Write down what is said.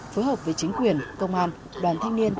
phối hợp với chính quyền công an đoàn thanh niên